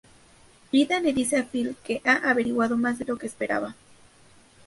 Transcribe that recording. Ida le dice a Phil que ha averiguado más de lo que esperaba.